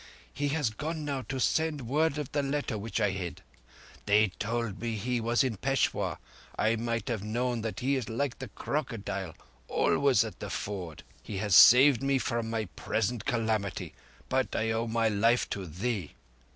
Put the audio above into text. "He has gone now to send word of the letter which I hid. They told me he was in Peshawur. I might have known that he is like the crocodile—always at the other ford. He has saved me from present calamity, but I owe my life to thee."